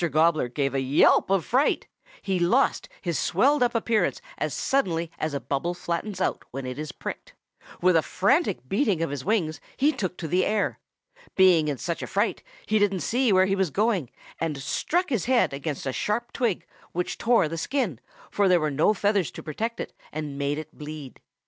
Gobbler gave a yelp of fright. He lost his swelled up appearance as suddenly as a bubble flattens out when it is pricked. With a frantic beating of his wings he took to the air. Being in such a fright, he didn't see where he was going, and struck his head against a sharp twig, which tore the skin, for there were no feathers to protect it, and made it bleed.